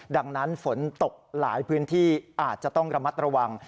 ดังนั้นฝนตกหลายพื้นที่อาจจะต้องระมัดระวัง